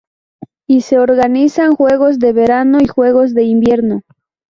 Y se organizan Juegos de Verano y Juegos de Invierno.